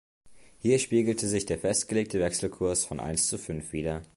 Hier spiegelte sich der festgelegte Wechselkurs von eins zu fünf wider.